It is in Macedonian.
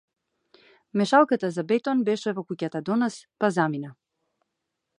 Мешалката за бетон беше во куќата до нас, па замина.